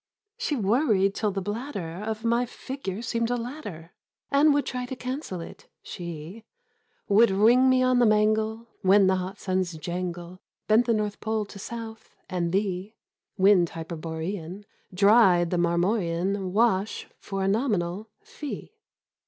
She worried till the bladder Of my figure seemed a ladder, And would try to cancel it. She Wouki wring me on the mangle When the hot sun's jangle Bent the North Pole to South and The Wind hyperborean 49 Dried the marmorean Wash for a nominal Fee.